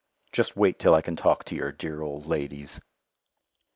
Just wait till I can talk to your dear old ladies!